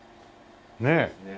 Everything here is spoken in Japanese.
ねえ。